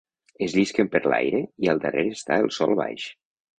Es llisquen per l'aire, i al darrere està el sol baix.